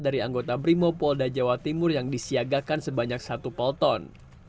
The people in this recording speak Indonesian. dari anggota brimopolda jawa timur yang disiagakan sebanyak satu polton